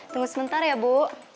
tunggu sebentar ya bu